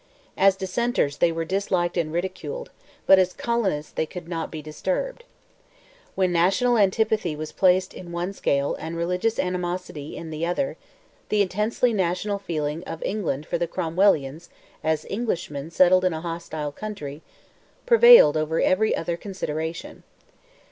As dissenters they were disliked and ridiculed, but as colonists they could not be disturbed. When national antipathy was placed in one scale and religious animosity in the other, the intensely national feeling of England for the Cromwellians, as Englishmen settled in a hostile country, prevailed over every other consideration.